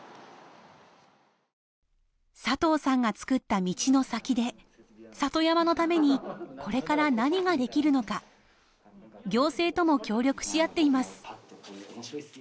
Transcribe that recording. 佐藤さんが作った道の先で里山のためにこれから何ができるのか行政とも協力し合っています。